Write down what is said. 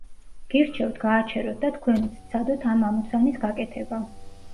გირჩევთ, გააჩეროთ და თქვენით სცადოთ ამ ამოცანის გაკეთება.